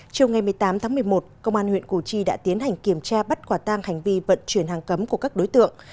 chiều ngày một mươi tám tháng một mươi một công an huyện củ chi đã tiến hành kiểm tra bắt quả tang hành vi vận chuyển hàng cấm của các đối tượng